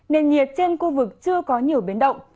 nền nhiệt trên khu vực chưa có nhiều biến động